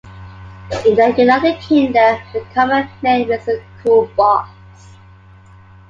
In the United Kingdom the common name is a "cool-box".